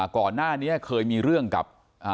ก่อนหน้านี้เคยมีเรื่องกับ